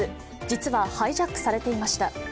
実はハイジャックされていました。